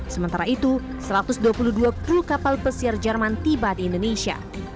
sementara itu satu ratus dua puluh dua kru kapal pesiar jerman tiba di indonesia